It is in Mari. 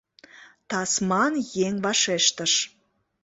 — тасман еҥ вашештыш.